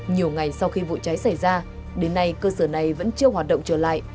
nhiều ngày sau khi vụ cháy xảy ra đến nay cơ sở này vẫn chưa hoạt động trở lại